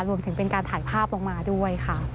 รวมถึงเป็นการถ่ายภาพลงมาด้วยค่ะ